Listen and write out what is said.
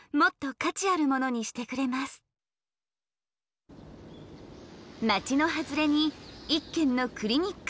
町の外れに一軒のクリニックがある。